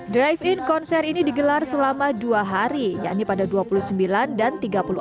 drive in konser ini digelar selama dua hari yakni pada dua puluh sembilan dan tiga puluh empat